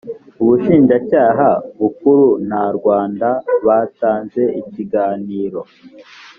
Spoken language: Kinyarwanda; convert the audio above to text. ubushinjacyaha bukuru na rwanda batanze ikiganiro